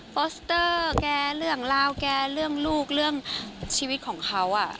พอสเตอร์แกเรื่องราวแกเรื่องลูกเรื่องชีวิตของเขา